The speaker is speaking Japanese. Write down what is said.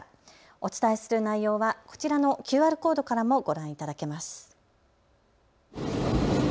お伝えする内容はこちらのＱＲコードからもご覧いただけます。